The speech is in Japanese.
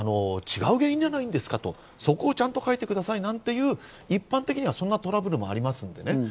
違う原因じゃないんですかと、そこをちゃんと書いてくださいなんていう一般的にはそんなトラブルもありますね。